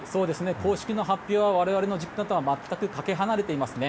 公式の発表は我々の実感とは全くかけ離れていますね。